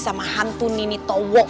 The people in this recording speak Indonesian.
sama hantu nini towo